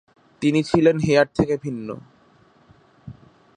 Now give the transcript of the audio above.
তিনি ছিলেন হেয়ার থেকে ভিন্ন।